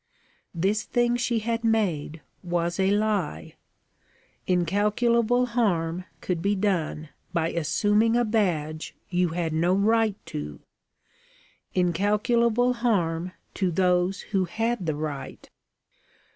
This thing she had made was a lie. Incalculable harm could be done by assuming a badge you had no right to incalculable harm to those who had the right.